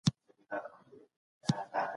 د توکو په تقاضا کي به هم زياتوالی راسي.